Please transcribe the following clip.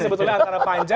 sebetulnya antara panja